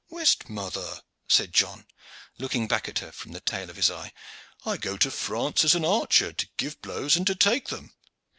"Whist, mother," said John, looking back at her from the tail of his eye, "I go to France as an archer to give blows and to take them."